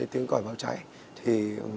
tiếng gọi báo cháy thì